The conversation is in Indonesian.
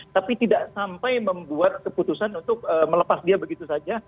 tapi tidak sampai membuat keputusan untuk melepas dia begitu saja